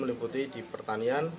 meliputi di pertanian